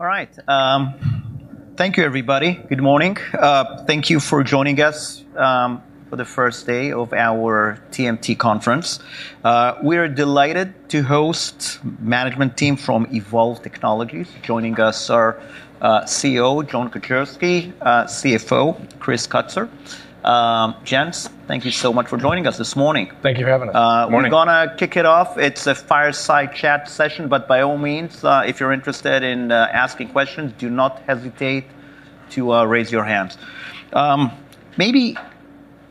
All right. Thank you everybody. Good morning. Thank you for joining us for the first day of our TMT conference. We are delighted to host management team from Evolv Technologies. Joining us are CEO, John Kedzierski, CFO, Chris Kutsor. Gents, thank you so much for joining us this morning. Thank you for having us. Morning. We're going to kick it off. It's a fireside chat session, but by all means, if you're interested in asking questions, do not hesitate to raise your hands. Maybe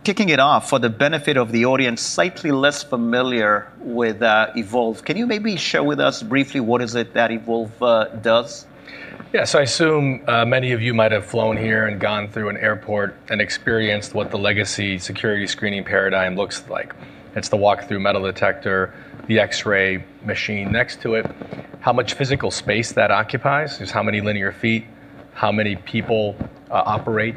kicking it off for the benefit of the audience slightly less familiar with Evolv, can you maybe share with us briefly what is it that Evolv does? Yeah. I assume many of you might have flown here and gone through an airport and experienced what the legacy security screening paradigm looks like. It's the walk-through metal detector, the X-ray machine next to it, how much physical space that occupies. Just how many linear feet, how many people operate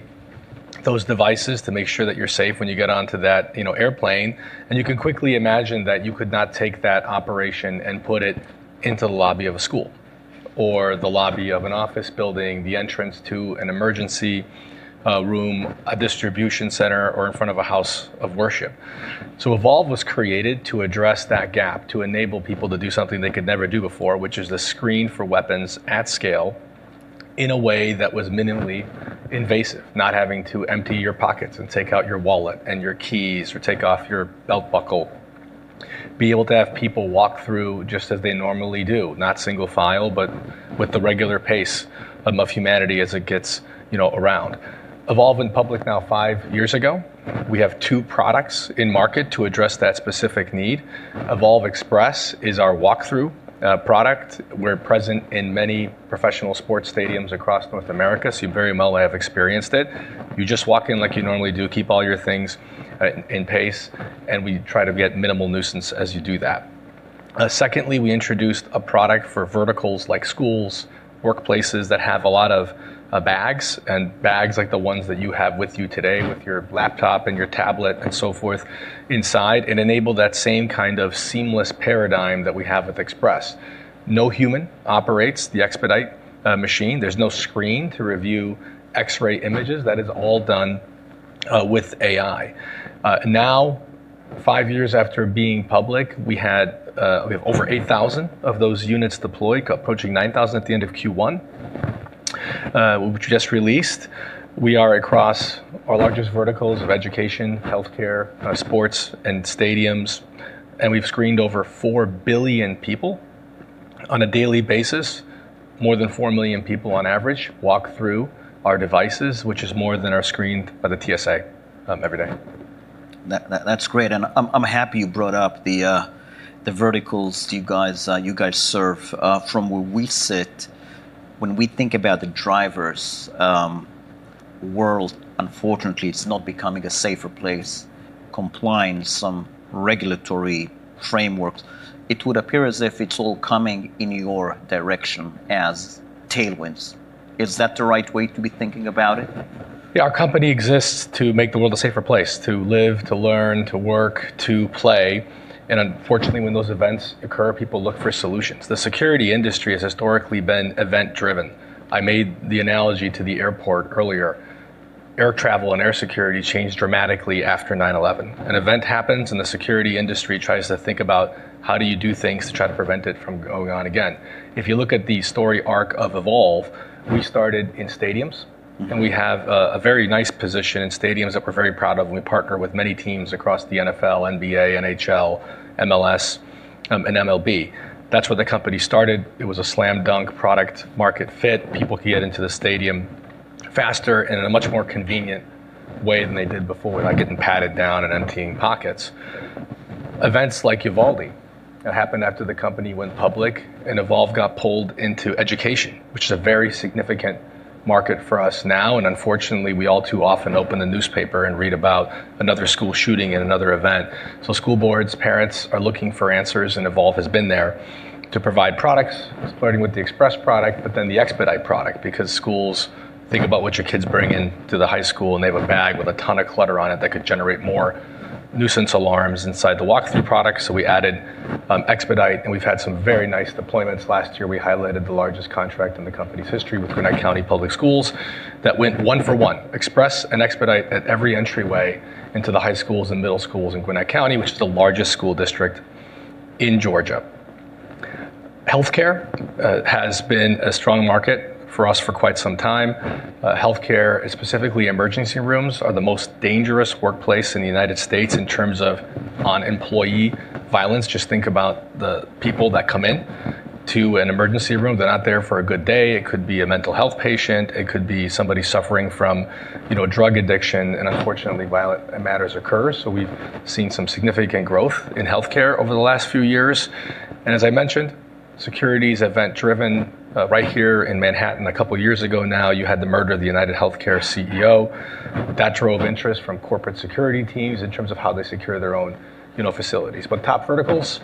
those devices to make sure that you're safe when you get onto that airplane. You can quickly imagine that you could not take that operation and put it into the lobby of a school, or the lobby of an office building, the entrance to an emergency room, a distribution center, or in front of a house of worship. Evolv was created to address that gap, to enable people to do something they could never do before, which is to screen for weapons at scale in a way that was minimally invasive. Not having to empty your pockets and take out your wallet and your keys, or take off your belt buckle. Be able to have people walk through just as they normally do, not single file, but with the regular pace of humanity as it gets around. Evolv went public now five years ago. We have two products in market to address that specific need. Evolv Express is our walk-through product. We're present in many professional sports stadiums across North America, so you very well have experienced it. You just walk in like you normally do, keep all your things in pace, and we try to get minimal nuisance as you do that. Secondly, we introduced a product for verticals like schools, workplaces that have a lot of bags, and bags like the ones that you have with you today with your laptop and your tablet and so forth inside, and enable that same kind of seamless paradigm that we have with Express. No human operates the eXpedite machine. There's no screen to review X-ray images. That is all done with AI. Now, five years after being public, we have over 8,000 of those units deployed, approaching 9,000 at the end of Q1, which we just released. We are across our largest verticals of education, healthcare, sports, and stadiums, and we've screened over 4 billion people on a daily basis. More than 4 million people on average walk through our devices, which is more than are screened by the TSA every day. That's great, and I'm happy you brought up the verticals you guys serve. From where we sit, when we think about the driver's world, unfortunately, it's not becoming a safer place. Complying with some regulatory frameworks, it would appear as if it's all coming in your direction as tailwinds. Is that the right way to be thinking about it? Our company exists to make the world a safer place to live, to learn, to work, to play. Unfortunately, when those events occur, people look for solutions. The security industry has historically been event driven. I made the analogy to the airport earlier. Air travel and air security changed dramatically after 9/11. An event happens and the security industry tries to think about how do you do things to try to prevent it from going on again. If you look at the story arc of Evolv, we started in stadiums and we have a very nice position in stadiums that we're very proud of, and we partner with many teams across the NFL, NBA, NHL, MLS, and MLB. That's where the company started. It was a slam dunk product market fit. People could get into the stadium faster and in a much more convenient way than they did before, without getting patted down and emptying pockets. Events like Uvalde that happened after the company went public and Evolv got pulled into education, which is a very significant market for us now. Unfortunately, we all too often open the newspaper and read about another school shooting and another event. School boards, parents are looking for answers, and Evolv has been there to provide products starting with the Express product, but then the eXpedite product. Schools think about what your kids bring into the high school, and they have a bag with a ton of clutter on it that could generate more nuisance alarms inside the walk-through product. We added eXpedite, and we've had some very nice deployments. Last year, we highlighted the largest contract in the company's history with Gwinnett County Public Schools. That went one for one, Express and eXpedite at every entryway into the high schools and middle schools in Gwinnett County, which is the largest school district in Georgia. Healthcare has been a strong market for us for quite some time. Healthcare, specifically emergency rooms, are the most dangerous workplace in the United States in terms of on-employee violence. Just think about the people that come in to an emergency room. They're not there for a good day. It could be a mental health patient, it could be somebody suffering from drug addiction, and unfortunately, violent matters occur. We've seen some significant growth in healthcare over the last few years. As I mentioned, security is event driven. Right here in Manhattan a couple of years ago now, you had the murder of the UnitedHealthcare CEO. That drove interest from corporate security teams in terms of how they secure their own facilities. Top verticals,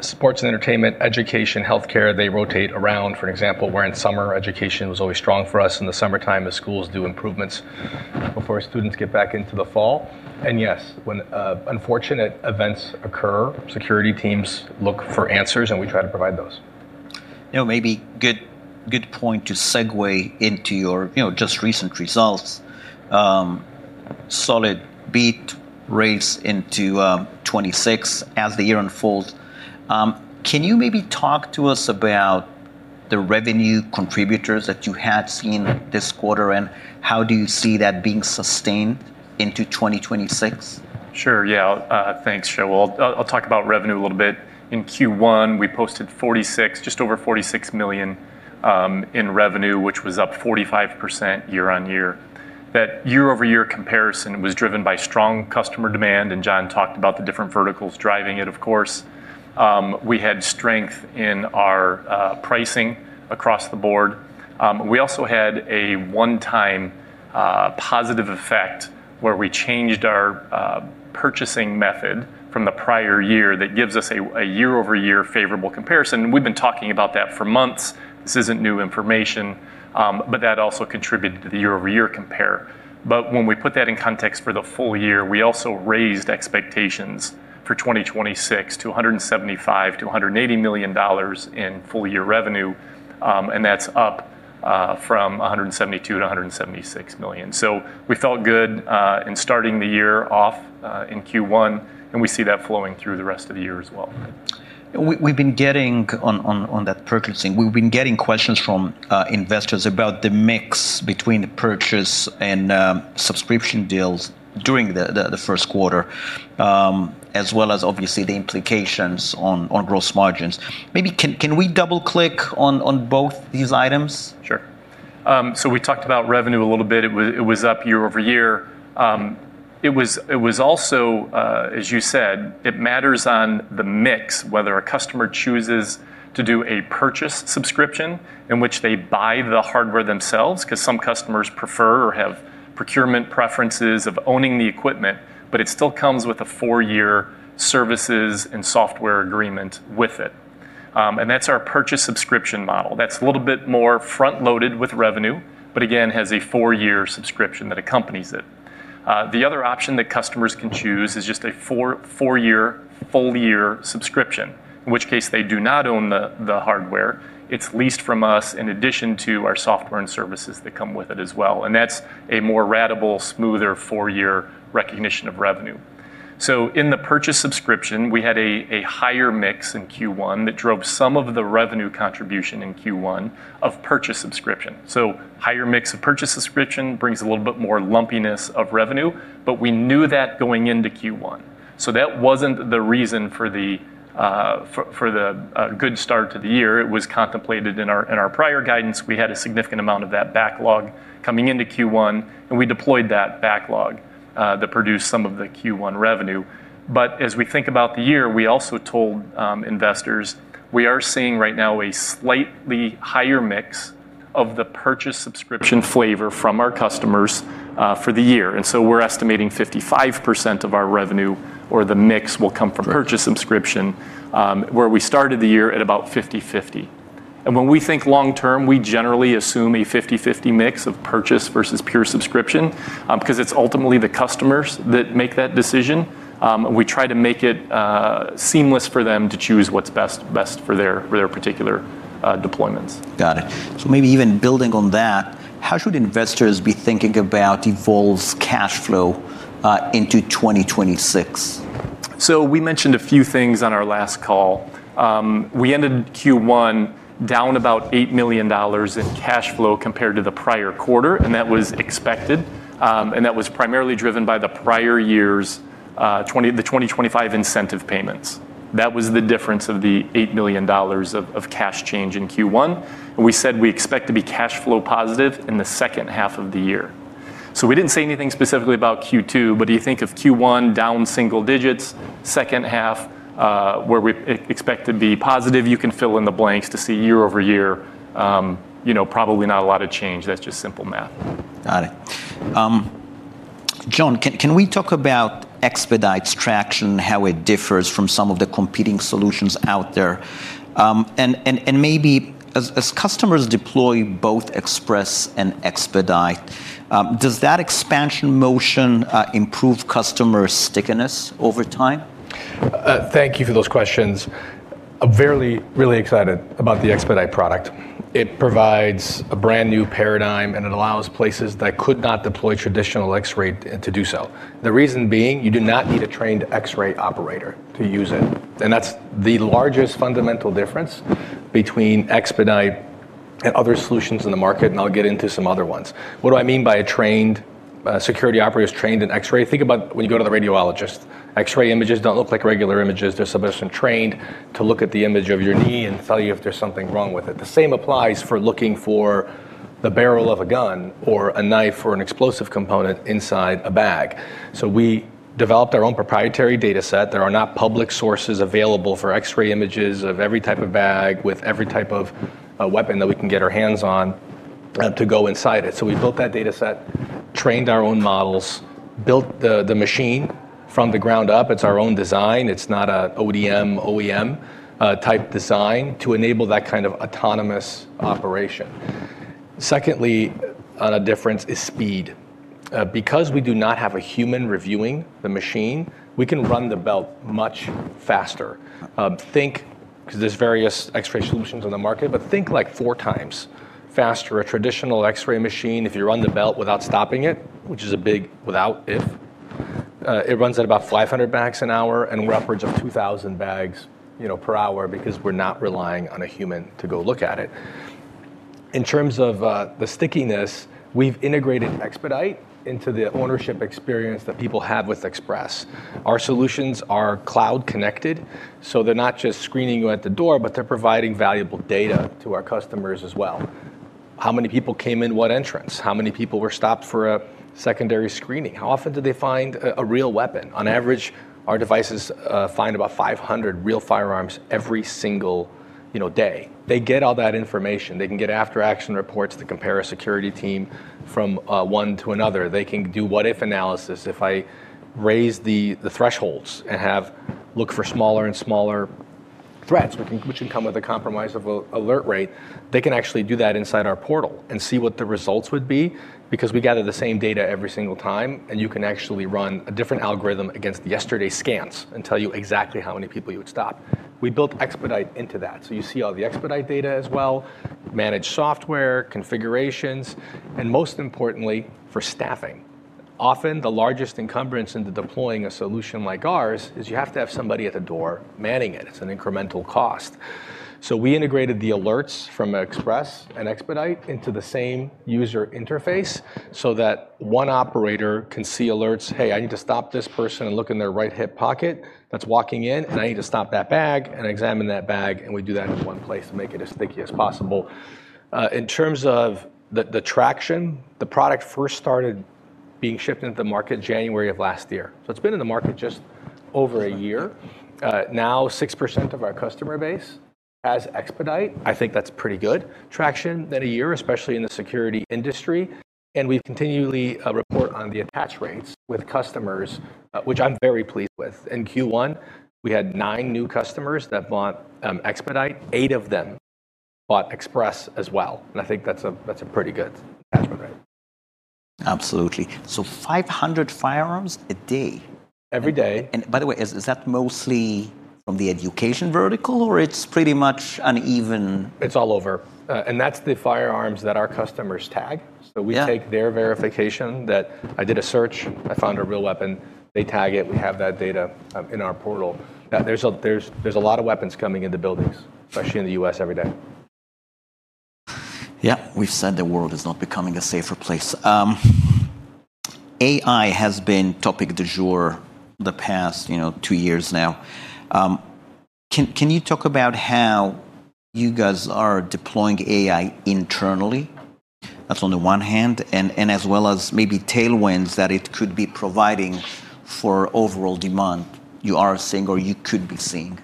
sports and entertainment, education, healthcare, they rotate around. For example, we're in summer. Education was always strong for us in the summertime as schools do improvements before students get back into the fall. Yes, when unfortunate events occur, security teams look for answers and we try to provide those. Maybe a good point to segue into your just recent results. Solid beat, raise into 2026 as the year unfolds. Can you maybe talk to us about the revenue contributors that you have seen this quarter, and how do you see that being sustained into 2026? Sure, yeah. Thanks, Shaul. I'll talk about revenue a little bit. In Q1, we posted just over $46 million in revenue, which was up 45% year-on-year. That year-over-year comparison was driven by strong customer demand. John talked about the different verticals driving it, of course. We had strength in our pricing across the board. We also had a one-time positive effect, where we changed our purchasing method from the prior year that gives us a year-over-year favorable comparison. We've been talking about that for months. This isn't new information. That also contributed to the year-over-year compare. When we put that in context for the full year, we also raised expectations for 2026 to $175 million-$180 million in full year revenue. That's up from $172 million-$176 million. We felt good in starting the year off in Q1, and we see that flowing through the rest of the year as well. On that purchasing, we've been getting questions from investors about the mix between the purchase and subscription deals during the first quarter, as well as obviously the implications on gross margins. Maybe can we double-click on both these items? Sure. We talked about revenue a little bit. It was up year-over-year. It was also, as you said, it matters on the mix whether a customer chooses to do a purchase-subscription, in which they buy the hardware themselves, because some customers prefer or have procurement preferences of owning the equipment, but it still comes with a four-year services and software agreement with it, and that's our purchase-subscription model. That's a little bit more front-loaded with revenue, but again, has a four-year subscription that accompanies it. The other option that customers can choose is just a four-year full-year subscription, in which case they do not own the hardware. It's leased from us in addition to our software and services that come with it as well, and that's a more ratable, smoother four-year recognition of revenue. In the purchase-subscription, we had a higher mix in Q1 that drove some of the revenue contribution in Q1 of purchase-subscription. Higher mix of purchase-subscription brings a little bit more lumpiness of revenue. We knew that going into Q1, so that wasn't the reason for the good start to the year. It was contemplated in our prior guidance. We had a significant amount of that backlog coming into Q1, and we deployed that backlog that produced some of the Q1 revenue. As we think about the year, we also told investors we are seeing right now a slightly higher mix of the purchase-subscription flavor from our customers for the year. We're estimating 55% of our revenue or the mix will come from purchase-subscription, where we started the year at about 50/50. When we think long term, we generally assume a 50/50 mix of purchase versus pure subscription, because it's ultimately the customers that make that decision. We try to make it seamless for them to choose what's best for their particular deployments. Got it. Maybe even building on that, how should investors be thinking about Evolv's cash flow into 2026? We mentioned a few things on our last call. We ended Q1 down about $8 million in cash flow compared to the prior quarter, that was expected. That was primarily driven by the prior year's 2025 incentive payments. That was the difference of the $8 million of cash change in Q1. We said we expect to be cash flow positive in the second half of the year. We didn't say anything specifically about Q2, you think of Q1, down single digits, second half, where we expect to be positive. You can fill in the blanks to see year-over-year, probably not a lot of change. That's just simple math. Got it. John, can we talk about eXpedite's traction, how it differs from some of the competing solutions out there? Maybe as customers deploy both Express and eXpedite, does that expansion motion improve customer stickiness over time? Thank you for those questions. I'm really excited about the eXpedite product. It provides a brand-new paradigm, and it allows places that could not deploy traditional X-ray to do so. The reason being, you do not need a trained X-ray operator to use it, and that's the largest fundamental difference between eXpedite and other solutions in the market, and I'll get into some other ones. What do I mean by a trained security operator is trained in X-ray? Think about when you go to the radiologist. X-ray images don't look like regular images. They're specifically trained to look at the image of your knee and tell you if there's something wrong with it. The same applies for looking for the barrel of a gun or a knife or an explosive component inside a bag. We developed our own proprietary data set. There are not public sources available for X-ray images of every type of bag with every type of weapon that we can get our hands on to go inside it. We built that data set, trained our own models, built the machine from the ground up. It's our own design. It's not an ODM, OEM-type design to enable that kind of autonomous operation. Secondly, on a difference is speed. Because we do not have a human reviewing the machine, we can run the belt much faster. Because there's various X-ray solutions on the market, but think 4x faster. A traditional X-ray machine, if you run the belt without stopping it, which is a big without if, it runs at about 500 bags an hour and upwards of 2,000 bags per hour because we're not relying on a human to go look at it. In terms of the stickiness, we've integrated eXpedite into the ownership experience that people have with Express. Our solutions are cloud connected, so they're not just screening you at the door, but they're providing valuable data to our customers as well. How many people came in what entrance? How many people were stopped for a secondary screening? How often do they find a real weapon? On average, our devices find about 500 real firearms every single day. They get all that information. They can get after-action reports to compare a security team from one to another. They can do what if analysis. If I raise the thresholds and look for smaller and smaller threats, which can come with a compromise of alert rate, they can actually do that inside our portal and see what the results would be because we gather the same data every single time and you can actually run a different algorithm against yesterday's scans and tell you exactly how many people you would stop. We built eXpedite into that, so you see all the eXpedite data as well, manage software, configurations, and most importantly, for staffing. Often, the largest encumbrance into deploying a solution like ours is you have to have somebody at the door manning it. It's an incremental cost. We integrated the alerts from Express and eXpedite into the same user interface so that one operator can see alerts, "Hey, I need to stop this person and look in their right hip pocket that's walking in, and I need to stop that bag and examine that bag," and we do that in one place to make it as sticky as possible. In terms of the traction, the product first started being shipped into the market January of last year. It's been in the market just over a year. 6% of our customer base has eXpedite. I think that's pretty good traction in a year, especially in the security industry. We continually report on the attach rates with customers, which I'm very pleased with. In Q1, we had nine new customers that bought eXpedite. Eight of them bought Express as well, and I think that's a pretty good attach rate. Absolutely. 500 firearms a day. Every day. By the way, is that mostly from the education vertical or it's pretty much uneven? It's all over. That's the firearms that our customers tag. Yeah. We take their verification that I did a search, I found a real weapon. They tag it. We have that data in our portal. There's a lot of weapons coming into buildings, especially in the U.S. every day. Yeah. We've said the world is not becoming a safer place. AI has been topic du jour the past two years now. Can you talk about how you guys are deploying AI internally? That's only one hand, and as well as maybe tailwinds that it could be providing for overall demand you are seeing or you could be seeing.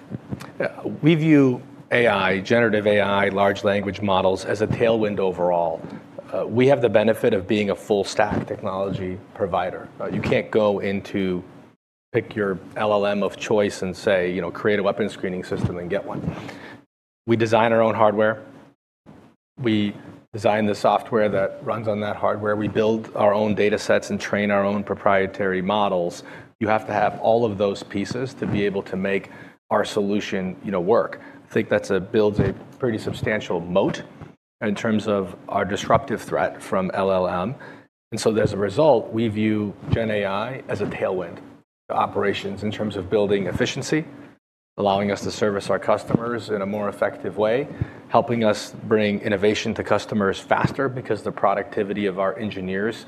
We view AI, generative AI, large language models as a tailwind overall. We have the benefit of being a full stack technology provider. You can't go in to pick your LLM of choice and say, "Create a weapon screening system," and get one. We design our own hardware. We design the software that runs on that hardware. We build our own data sets and train our own proprietary models. You have to have all of those pieces to be able to make our solution work. I think that builds a pretty substantial moat in terms of our disruptive threat from LLM. As a result, we view gen AI as a tailwind to operations in terms of building efficiency, allowing us to service our customers in a more effective way, helping us bring innovation to customers faster because the productivity of our engineers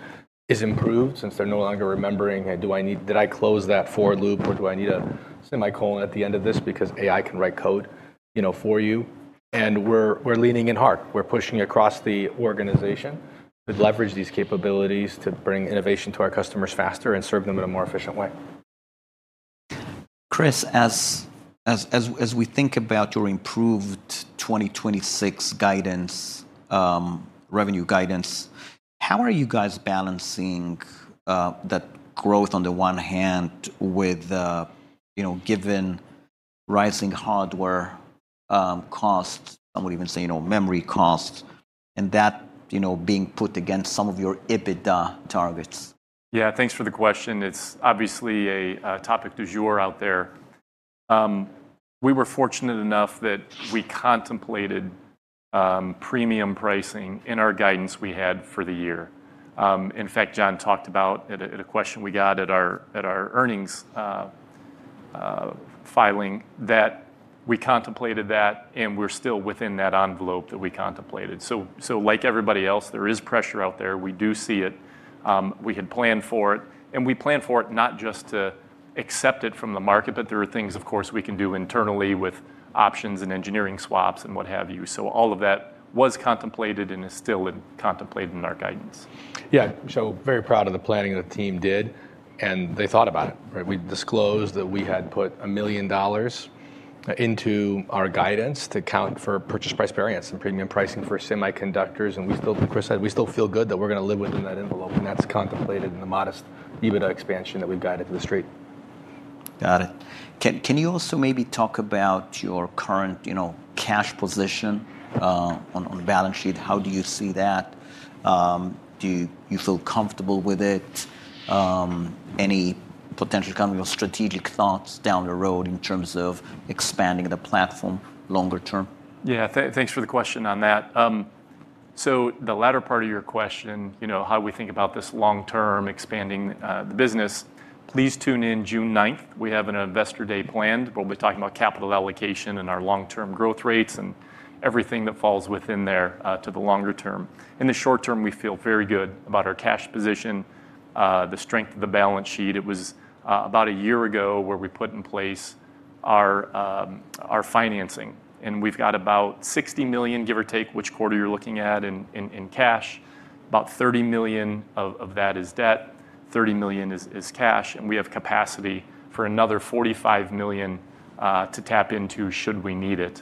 is improved since they're no longer remembering, "Did I close that for loop or do I need a semicolon at the end of this?" Because AI can write code for you. We're leaning in hard. We're pushing across the organization to leverage these capabilities to bring innovation to our customers faster and serve them in a more efficient way. Chris, as we think about your improved 2026 revenue guidance, how are you guys balancing that growth on the one hand given rising hardware costs, I would even say memory costs, and that being put against some of your EBITDA targets? Yeah. Thanks for the question. It's obviously a topic du jour out there. We were fortunate enough that we contemplated premium pricing in our guidance we had for the year. John talked about it at a question we got at our earnings filing that we contemplated that and we're still within that envelope that we contemplated. Like everybody else, there is pressure out there. We do see it. We had planned for it. We planned for it not just to accept it from the market, but there are things of course we can do internally with options and engineering swaps and what have you. All of that was contemplated and is still contemplated in our guidance. Yeah. Very proud of the planning the team did, and they thought about it. We disclosed that we had put a million dollars into our guidance to account for purchase price variance and premium pricing for semiconductors. Like Chris said, we still feel good that we're going to live within that envelope and that's contemplated in the modest EBITDA expansion that we've guided to the street. Got it. Can you also maybe talk about your current cash position on the balance sheet? How do you see that? Do you feel comfortable with it? Any potential kind of strategic thoughts down the road in terms of expanding the platform longer term? Yeah. Thanks for the question on that. The latter part of your question, how we think about this long-term expanding the business, please tune in June 9th. We have an investor day planned where we'll be talking about capital allocation and our long-term growth rates and everything that falls within there to the longer term. In the short term, we feel very good about our cash position, the strength of the balance sheet. It was about a year ago where we put in place our financing, and we've got about $60 million, give or take which quarter you're looking at, in cash. About $30 million of that is debt, $30 million is cash, and we have capacity for another $45 million to tap into should we need it.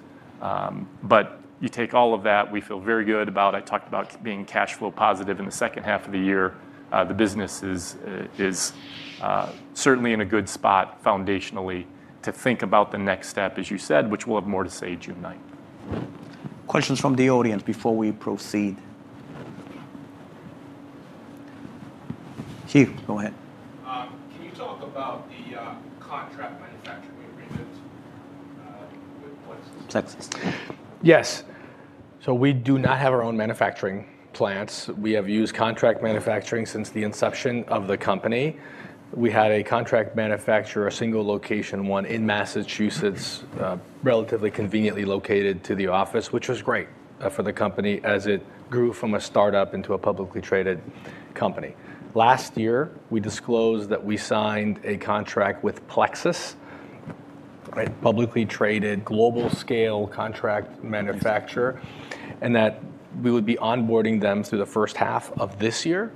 You take all of that, we feel very good about. I talked about being cash flow positive in the second half of the year. The business is certainly in a good spot foundationally to think about the next step, as you said, which we'll have more to say June 9th. Questions from the audience before we proceed. Hugh, go ahead. Can you talk about the contract manufacturing arrangements with Plexus? Yes. We do not have our own manufacturing plants. We have used contract manufacturing since the inception of the company. We had a contract manufacturer, a single location one in Massachusetts, relatively conveniently located to the office, which was great for the company as it grew from a startup into a publicly traded company. Last year, we disclosed that we signed a contract with Plexus, a publicly traded global scale contract manufacturer, and that we would be onboarding them through the first half of this year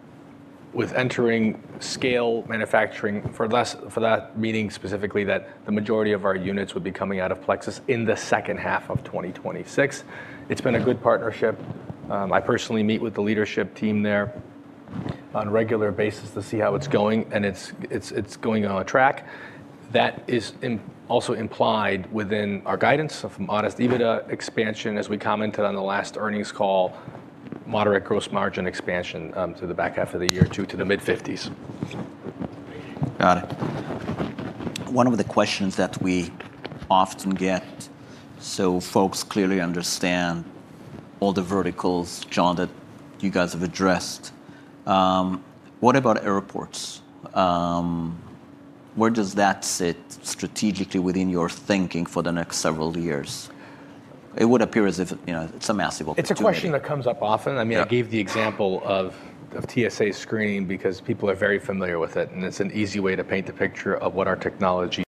with entering scale manufacturing for that, meaning specifically that the majority of our units would be coming out of Plexus in the second half of 2026. It's been a good partnership. I personally meet with the leadership team there on a regular basis to see how it's going, and it's going on a track. That is also implied within our guidance of modest EBITDA expansion as we commented on the last earnings call, moderate gross margin expansion to the back half of the year too, to the mid-50s. Got it. One of the questions that we often get, so folks clearly understand all the verticals, John, that you guys have addressed. What about airports? Where does that sit strategically within your thinking for the next several years? It would appear as if it's a massive opportunity. It's a question that comes up often. Yeah. I gave the example of TSA screening because people are very familiar with it, and it's an easy way to paint a picture of what our technology.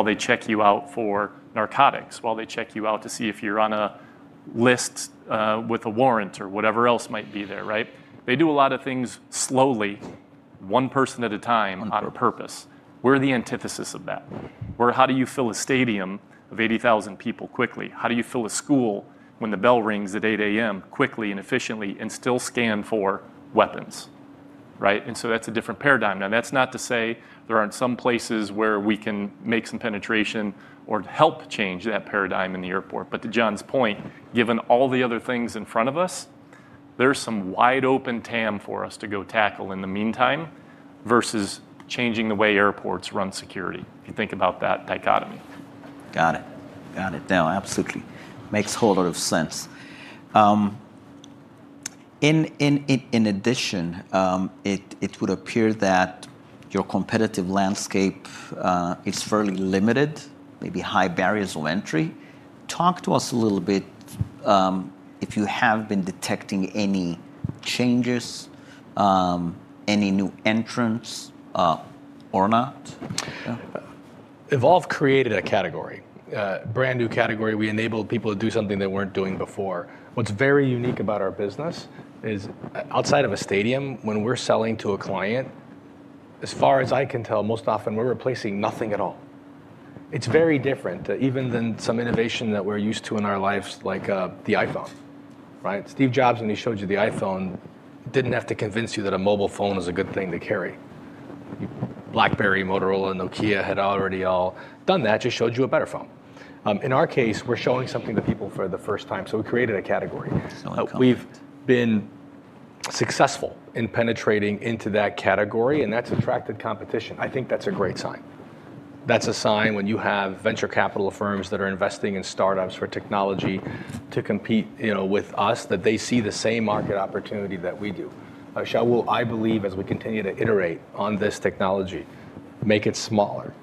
While they check you out for narcotics, while they check you out to see if you're on a list with a warrant or whatever else might be there, right? They do a lot of things slowly, one person at a time. On purpose. We're the antithesis of that. We're how do you fill a stadium of 80,000 people quickly? How do you fill a school when the bell rings at 8:00 A.M. quickly and efficiently and still scan for weapons, right? That's a different paradigm. Now, that's not to say there aren't some places where we can make some penetration or help change that paradigm in the airport. To John's point, given all the other things in front of us, there's some wide open TAM for us to go tackle in the meantime versus changing the way airports run security. If you think about that dichotomy. Got it. No, absolutely. Makes a whole lot of sense. In addition, it would appear that your competitive landscape is fairly limited, maybe high barriers of entry. Talk to us a little bit if you have been detecting any changes, any new entrants or not. Evolv created a category, a brand-new category. We enabled people to do something they weren't doing before. What's very unique about our business is outside of a stadium, when we're selling to a client, as far as I can tell, most often we're replacing nothing at all. It's very different, even than some innovation that we're used to in our lives, like the iPhone. Right? Steve Jobs, when he showed you the iPhone, didn't have to convince you that a mobile phone was a good thing to carry. BlackBerry, Motorola, and Nokia had already all done that, just showed you a better phone. In our case, we're showing something to people for the first time, so we created a category. Incumbent. We've been successful in penetrating into that category, and that's attracted competition. I think that's a great sign. That's a sign when you have venture capital firms that are investing in startups for technology to compete with us, that they see the same market opportunity that we do. Shaul, I believe as we continue to iterate on this technology, make it smaller,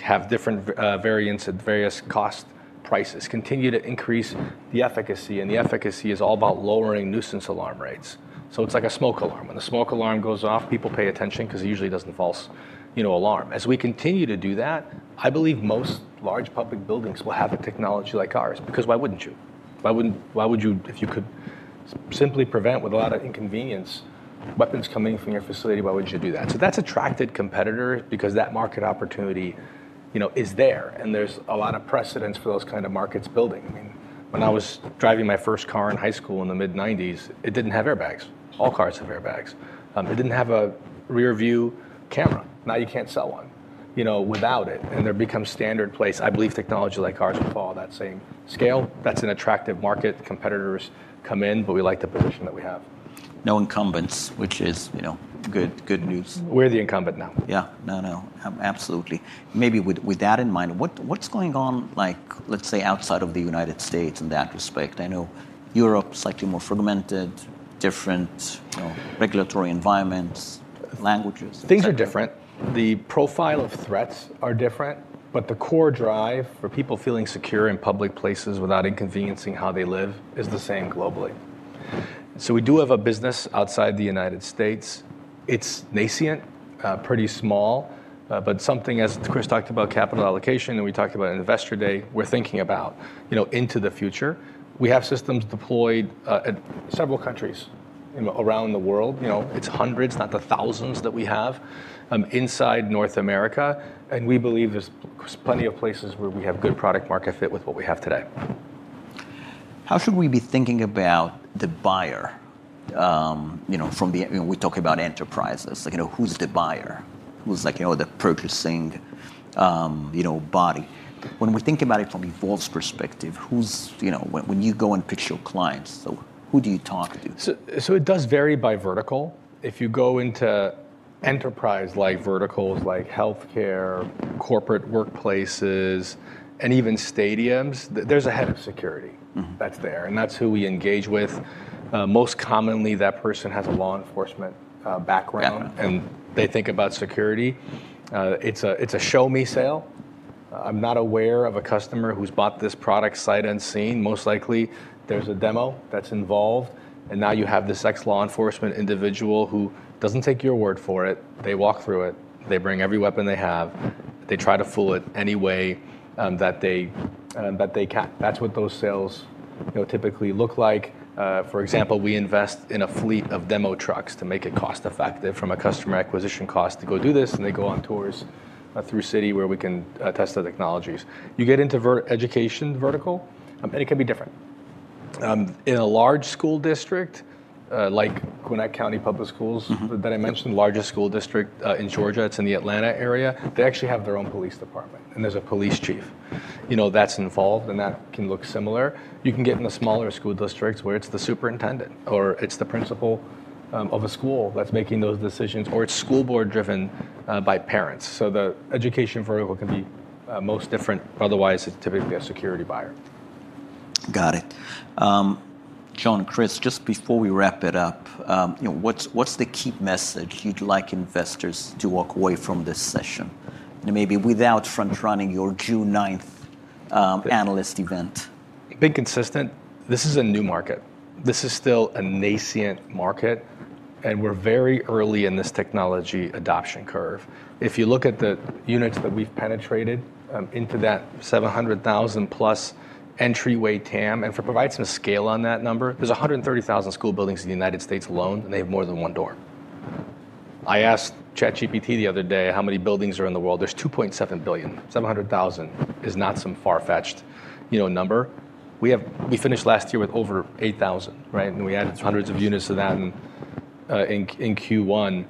have different variants at various cost prices, continue to increase the efficacy, and the efficacy is all about lowering nuisance alarm rates. It's like a smoke alarm. When the smoke alarm goes off, people pay attention because it usually does the false alarm. As we continue to do that, I believe most large public buildings will have a technology like ours because why wouldn't you? Why would you, if you could simply prevent with a lot of inconvenience, weapons coming from your facility, why wouldn't you do that? That's attracted competitors because that market opportunity is there, and there's a lot of precedents for those kind of markets building. I mean, when I was driving my first car in high school in the mid-90s, it didn't have airbags. All cars have airbags. It didn't have a rearview camera. Now you can't sell one without it, and they've become standard place. I believe technology like ours will follow that same scale. That's an attractive market. Competitors come in, but we like the position that we have. No incumbents, which is good news. We're the incumbent now. Yeah. No, absolutely. Maybe with that in mind, what's going on, let's say, outside of the United States in that respect? I know Europe, slightly more fragmented, different regulatory environments, languages, et cetera. Things are different. The profile of threats are different, but the core drive for people feeling secure in public places without inconveniencing how they live is the same globally. We do have a business outside the United States. It's nascent, pretty small but something as Chris talked about capital allocation, and we talked about Investor Day, we're thinking about into the future. We have systems deployed at several countries around the world. It's hundreds, not the thousands that we have inside North America, and we believe there's plenty of places where we have good product market fit with what we have today. How should we be thinking about the buyer? We talk about enterprises. Who's the buyer? Who's the purchasing body? When we think about it from Evolv's perspective, when you go and pitch your clients, who do you talk to? It does vary by vertical. If you go into enterprise-like verticals like healthcare, corporate workplaces, and even stadiums, there's a head of security that's there, and that's who we engage with. Most commonly, that person has a law enforcement background. Yeah. They think about security. It's a show-me sale. I'm not aware of a customer who's bought this product sight unseen. Most likely, there's a demo that's involved, and now you have this ex-law enforcement individual who doesn't take your word for it. They walk through it. They bring every weapon they have. They try to fool it any way that they can. That's what those sales typically look like. For example, we invest in a fleet of demo trucks to make it cost-effective from a customer acquisition cost to go do this, and they go on tours through city where we can test the technologies. You get into education vertical, and it can be different. In a large school district, like Gwinnett County Public Schools that I mentioned, largest school district in Georgia, it's in the Atlanta area. They actually have their own police department, and there's a police chief that's involved, and that can look similar. You can get into smaller school districts where it's the superintendent or it's the principal of a school that's making those decisions, or it's school board driven by parents. The education vertical can be most different. Otherwise, it's typically a security buyer. Got it. John, Chris, just before we wrap it up, what's the key message you'd like investors to walk away from this session? Maybe without front-running your June 9th analyst event. Being consistent. This is a new market. This is still a nascent market, and we're very early in this technology adoption curve. If you look at the units that we've penetrated into that 700,000+ entryway TAM, and to provide some scale on that number, there's 130,000 school buildings in the United States alone, and they have more than one door. I asked ChatGPT the other day how many buildings are in the world. There's 2.7 billion. 700,000 is not some far-fetched number. We finished last year with over 8,000, right? We added hundreds of units to that in Q1.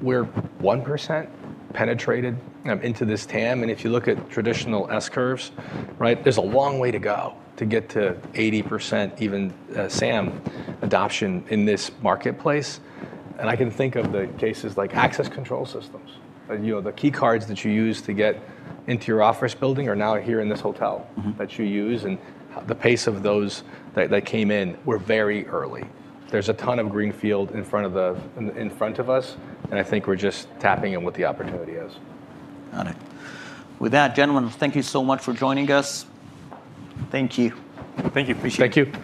We're 1% penetrated into this TAM, and if you look at traditional S-curves, there's a long way to go to get to 80% even SAM adoption in this marketplace. I can think of the cases like access control systems. The key cards that you use to get into your office building are now here in this hotel that you use, and the pace of those that came in were very early. There's a ton of greenfield in front of us, and I think we're just tapping in what the opportunity is. Got it. With that, gentlemen, thank you so much for joining us. Thank you. Thank you. Appreciate it. Thank you.